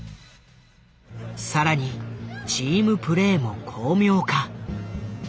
更にチームプレイも巧妙化。